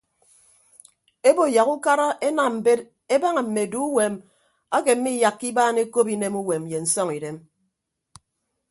Ebo yak ukara enam mbet ebaña mme eduuwem ake miiyakka ibaan ekop inemuwem ye nsọñidem.